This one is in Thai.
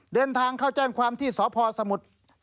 เดินทางเข้าแจ้งความที่สพสมุทร